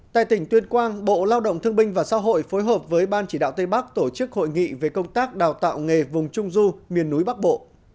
tại tỉnh tuyên quang bộ lao động thương binh và xã hội phối hợp với ban chỉ đạo tây bắc tổ chức hội nghị về công tác đào tạo nghề vùng trung du miền núi bắc bộ